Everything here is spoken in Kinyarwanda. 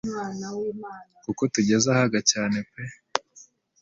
kuko tugeze ahaga cyane pe